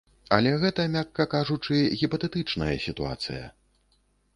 Але гэта, мякка кажучы, гіпатэтычная сітуацыя.